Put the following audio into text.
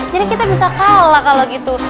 jadi kita bisa kalah kalau gitu